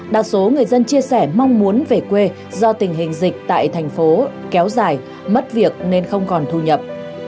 đa số người dân chia sẻ mong muốn về quê do tình hình dịch tại thành phố kéo dài mất việc nên không còn thu nhập